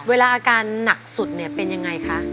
เวลาอาการหนักสุดเนี่ยเป็นยังไงคะ